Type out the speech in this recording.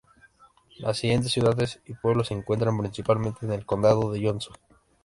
Las siguientes ciudades y pueblos se encuentran principalmente en el Condado de Johnston.